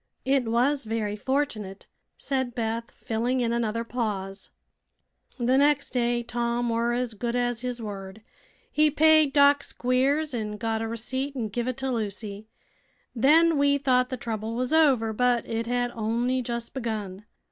"It was very fortunate," said Beth, filling in another pause. "The nex' day Tom were as good as his word. He paid Doc Squiers an' got a receipt an' giv it to Lucy. Then we thought th' trouble was over, but it had on'y just begun.